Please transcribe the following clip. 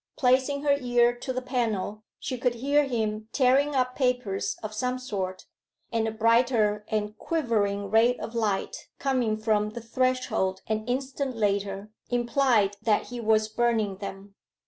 Placing her ear to the panel, she could hear him tearing up papers of some sort, and a brighter and quivering ray of light coming from the threshold an instant later, implied that he was burning them.